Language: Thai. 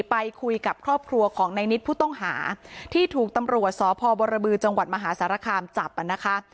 ไปคุยกับครอบครัวของในนิดผู้ต้องหาที่ถูกตำรวจสพบรบือจังหวัดมหาสารคามจับนะคะ